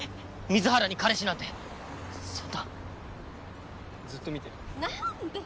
水原に彼氏なんてそんなずっと見てるなんで？